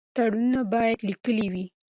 تړونونه باید لیکلي وي.